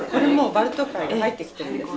バルト海に入ってきてるんですか？